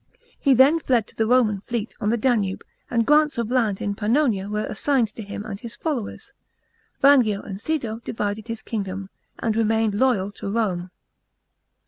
He then fled to the Roman fleet on the Danube, and grants of land in Pannonia were assigned to him and his followers. Vangio and Sido divided his kingdom, and remained loyal to Rome.